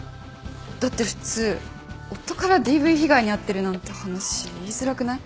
だって普通夫からＤＶ被害に遭ってるなんて話言いづらくない？